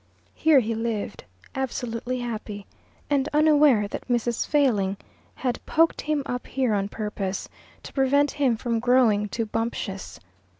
Here he lived, absolutely happy, and unaware that Mrs. Failing had poked him up here on purpose, to prevent him from growing too bumptious.